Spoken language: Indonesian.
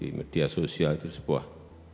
di media sosial itu sebuah